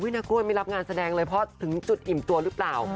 นากล้วยไม่รับงานแสดงเลยเพราะถึงจุดอิ่มตัวหรือเปล่า